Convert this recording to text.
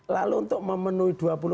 lalu untuk memenuhi